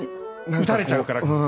打たれちゃうから。